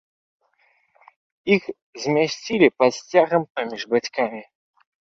Іх змясцілі пад сцягам паміж бацькамі.